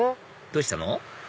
どうしたの？